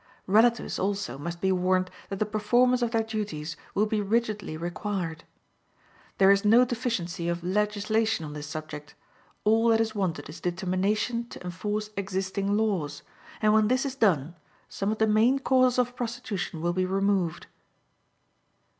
Relatives also must be warned that the performance of their duties will be rigidly required. There is no deficiency of legislation on this subject; all that is wanted is determination to enforce existing laws; and when this is done, some of the main causes of prostitution will be removed.